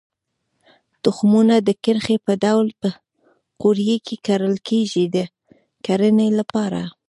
تخمونه د کرښې په ډول په قوریه کې کرل کېږي د کرنې لپاره.